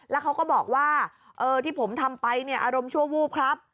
แล้วเขาก็บอกว่าที่ผมทำไปเนี่ยอารมณ์ชั่ววูบครับ